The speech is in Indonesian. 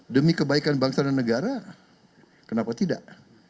demi kebaikan bangsa dan negara kenapa tidak